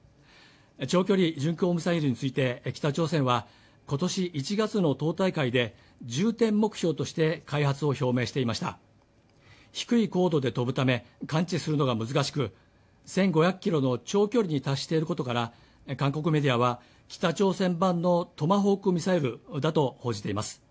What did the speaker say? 長距離巡航ミサイルについて北朝鮮は今年１月の党大会で重点目標として開発を表明していました低い高度で飛ぶため感知するのが難しく１５００キロの長距離に達していることから韓国メディアは北朝鮮版のトマホークミサイルだと報じています